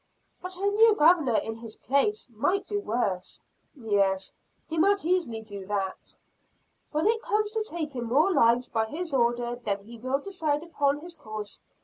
"But a new Governor in his place might do worse." "Yes, he might easily do that." "When it comes to taking more lives by his order, then he will decide upon his course.